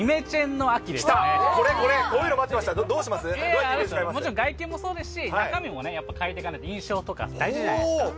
これこれ、こういうのもちろん外見もそうですし、中身も変えていかないと、印象とか大事じゃないですか。